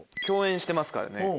共演してますからね。